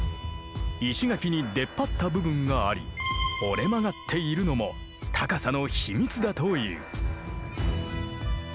石垣に出っ張った部分があり折れ曲がっているのも高さの秘密だという。